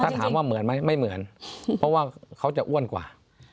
ถ้าถามว่าเหมือนไหมไม่เหมือนเพราะว่าเขาจะอ้วนกว่า